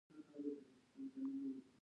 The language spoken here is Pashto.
د هغو زړګی چې خور شي د یتیم زړګی چې خور کړي.